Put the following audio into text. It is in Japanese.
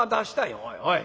「おいおい。